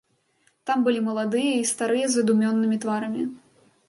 Там былі маладыя і старыя з задумёнымі тварамі.